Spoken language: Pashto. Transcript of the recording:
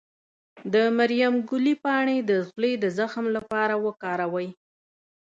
د مریم ګلي پاڼې د خولې د زخم لپاره وکاروئ